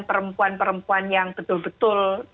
perempuan perempuan yang betul betul